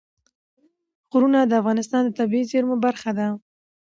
غرونه د افغانستان د طبیعي زیرمو برخه ده.